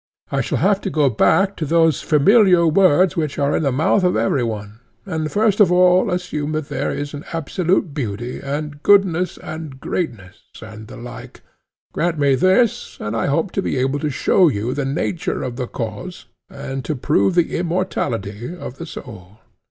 I shall have to go back to those familiar words which are in the mouth of every one, and first of all assume that there is an absolute beauty and goodness and greatness, and the like; grant me this, and I hope to be able to show you the nature of the cause, and to prove the immortality of the soul.